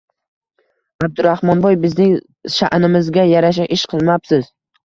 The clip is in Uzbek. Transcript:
— Abduraxmonboy, bizning sha’nimizga yarasha ish qilmabsiz.